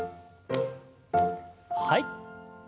はい。